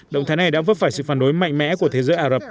động thái này đã vấp phải sự phản đối mạnh mẽ của thế giới ả rập